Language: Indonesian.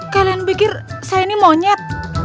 kalian pikir saya ini monyet